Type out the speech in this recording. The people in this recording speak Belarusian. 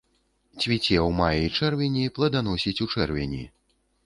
Цвіце ў маі-чэрвені, пладаносіць у чэрвені.